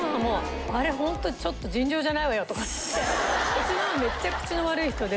うちの母めっちゃ口の悪い人で。